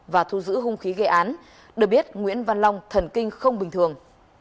và thu giữ hung khí gây án được biết nguyễn văn long thần kinh không bình thường